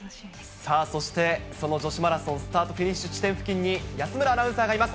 さあ、そしてその女子マラソン、スタート・フィニッシュ地点付近に、安村アナウンサーがいます。